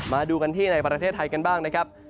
มาดูกันที่ในประเทศไทยกันบ้างนะครับ